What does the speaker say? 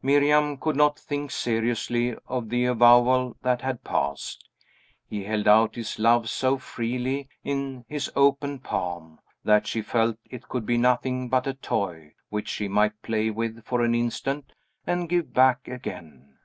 Miriam could not think seriously of the avowal that had passed. He held out his love so freely, in his open palm, that she felt it could be nothing but a toy, which she might play with for an instant, and give back again.